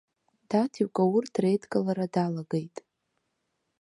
Даҭикәа урҭ реидкылара далагеит.